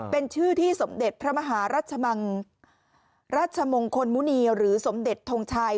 เป็นชื่อที่สมเด็จพระมหารัชมังรัชมงคลมุณีหรือสมเด็จทงชัย